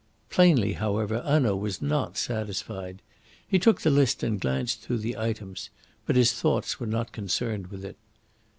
Plainly, however, Hanaud was not satisfied. He took the list and glanced through the items. But his thoughts were not concerned with it.